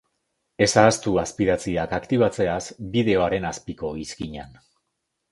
Ez ahaztu azpidatziak aktibatzeaz, bideoaren azpiko izkinan.